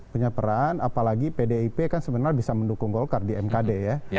punya peran apalagi pdip kan sebenarnya bisa mendukung golkar di mkd ya